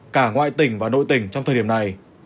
cả ngoại tỉnh và nội tỉnh trong thời điểm này